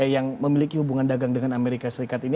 yang memiliki hubungan dagang dengan amerika serikat ini